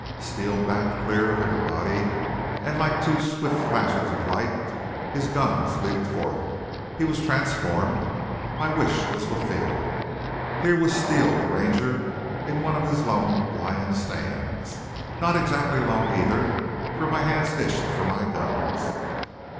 Steele backed clear of everybody and like two swift flashes of light his guns leaped forth. He was transformed. My wish was fulfilled. Here was Steele, the Ranger, in one of his lone lion stands. Not exactly alone either, for my hands itched for my guns!